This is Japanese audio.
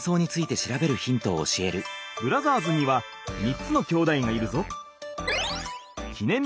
ブラザーズには３つのきょうだいがいるぞ。